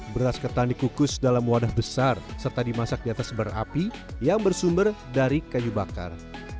beras ketan dikukus dalam wadah besar serta dimasak di atas berapi yang bersumber dari kayu bakar